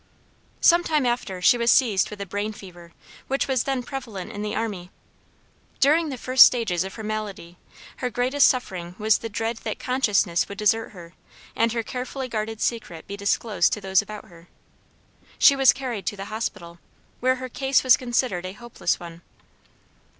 Some time after, she was seized with a brain fever, which was then prevalent in the army. During the first stages of her malady, her greatest suffering was the dread that consciousness would desert her and her carefully guarded secret be disclosed to those about her. She was carried to the hospital, where her case was considered a hopeless one.